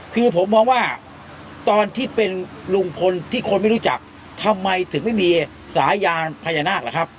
คือผมมองว่าตอนที่เป็นลุงพลที่คนไม่รู้จักทำไมถึงไม่มีสายยางพญานาคล่ะครับ